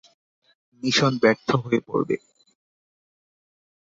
Mission ব্যর্থ হয়ে পড়বে।